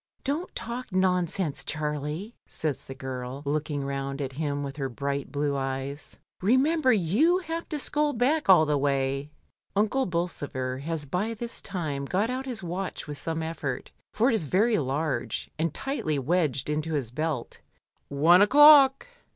"Don't talk nonsense, Charlie," says the girl, looking round at him with her bright blue eyes. "Remember ^(?« have to scull back all the way." Unde Bolsover has by this time got out his watch with some effort, for it is very large, and tightly wedged into his belt "One o'clock!"